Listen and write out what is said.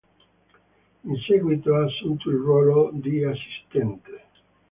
In seguito ha assunto il ruolo di assistente.